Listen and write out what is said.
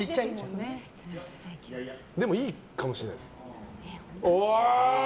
でもいいかもしれないです。